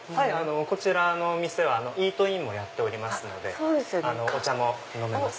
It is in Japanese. こちらの店はイートインもやってますのでお茶も飲めます。